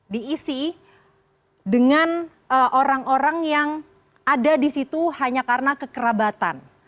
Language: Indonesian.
diisi dengan orang orang yang ada di situ hanya karena kekerabatan